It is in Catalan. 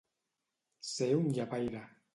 Ser un llepaire.